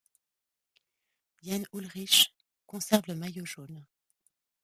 Jan Ullrich conserve le Maillot jaune.